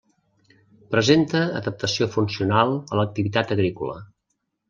Presenta adaptació funcional a l'activitat agrícola.